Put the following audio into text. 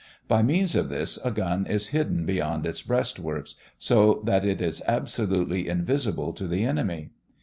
By means of this a gun is hidden beyond its breastworks so that it is absolutely invisible to the enemy.